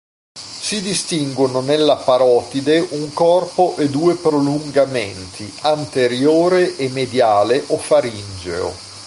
Si distinguono nella parotide un corpo e due prolungamenti: anteriore e mediale o faringeo.